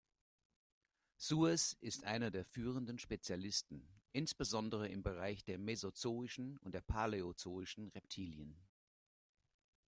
Sues ist einer der führenden Spezialisten insbesondere im Bereich der mesozoischen und paläozoischen Reptilien.